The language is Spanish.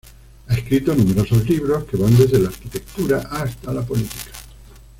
Ha escrito numerosos libros, que van desde la arquitectura hasta la política.